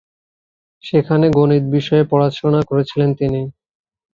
সেখানে গণিত বিষয়ে পড়াশুনো করেছিলেন তিনি।